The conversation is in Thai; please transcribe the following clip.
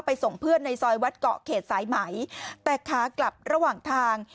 ส่งเพื่อนในซอยวัดเกาะเขตสายไหมแต่ขากลับระหว่างทาง